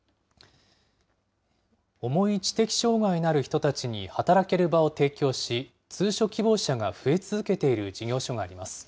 重い知的障害のある人たちに働ける場を提供し、通所希望者が増え続けている事業所があります。